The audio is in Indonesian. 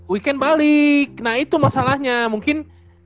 weekend balik nah itu masalahnya mungkin